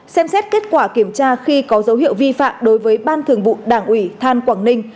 xem xét kết quả kiểm tra khi có dấu hiệu vi phạm đối với ban thường vụ đảng ủy than quảng ninh